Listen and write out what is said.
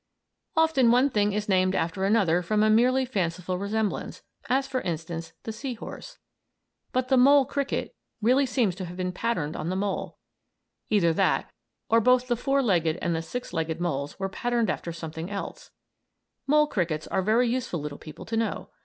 Often one thing is named after another from a merely fanciful resemblance, as, for instance, the "sea horse." But the mole cricket really seems to have been patterned on the mole; either that, or both the four legged and the six legged moles were patterned after something else. Mole crickets are very useful little people to know.